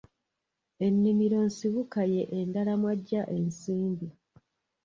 Ennimiro nsibuko ye endala mw'agya ensimbi.